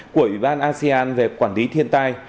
của ủy ban asean về quản lý thiên tai